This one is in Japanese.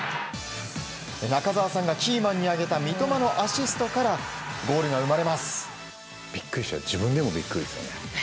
中澤さんがキーマンに挙げた三笘のアシストから、ゴールが生まれびっくりです、自分でもびっくりですよね。